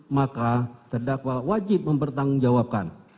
maka terdakwa wajib mempertanggung jawabkan